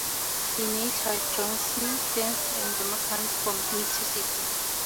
Senator, John C. Stennis, a Democrat from Mississippi.